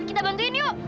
kita bantuin yuk